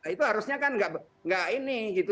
itu harusnya kan nggak ini gitu